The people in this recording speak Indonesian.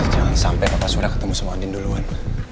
jangan sampai papa surat ketemu sama andin duluan